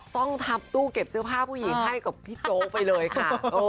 ต้องทำตู้เก็บเสื้อผ้าผู้หญิงให้กับพี่โจ๊กไปเลยค่ะ